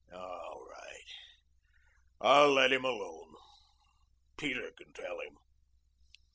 "All right. I'll let him alone. Peter can tell him."